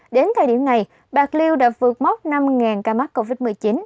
đến thời điểm này bạc liêu đã vượt mốc năm ca mắc covid một mươi chín